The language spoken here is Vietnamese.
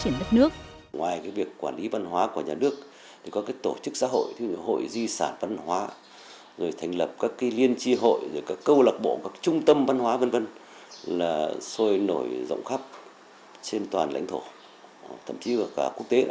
ngoài việc quản lý văn hóa của nhà nước có tổ chức xã hội hội di sản văn hóa thành lập các liên tri hội câu lạc bộ trung tâm văn hóa xôi nổi rộng khắp trên toàn lãnh thổ thậm chí cả quốc tế